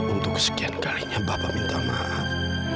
untuk kesekian kalinya bapak minta maaf